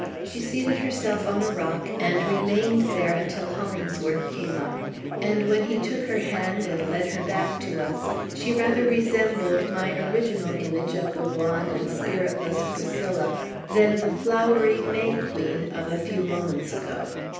She seated herself on a rock, and remained there until Hollingsworth came up; and when he took her hand and led her back to us, she rather resembled my original image of the wan and spiritless Priscilla than the flowery May queen of a few moments ago.